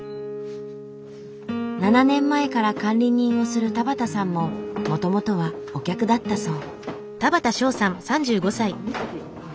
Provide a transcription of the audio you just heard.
７年前から管理人をする田畠さんももともとはお客だったそう。